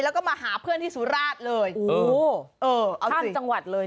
แล้วก็มาหาเพื่อนที่สุราชเลยโอ้โหเออข้ามจังหวัดเลย